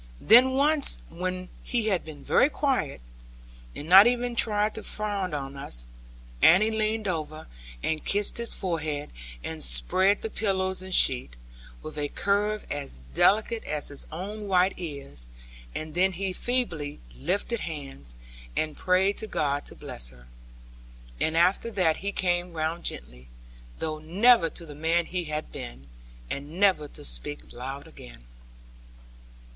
Then once when he had been very quiet, and not even tried to frown at us, Annie leaned over, and kissed his forehead, and spread the pillows and sheet, with a curve as delicate as his own white ears; and then he feebly lifted hands, and prayed to God to bless her. And after that he came round gently; though never to the man he had been, and never to speak loud again.